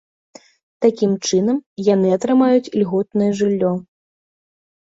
Такім чынам, яны атрымаюць ільготнае жыллё.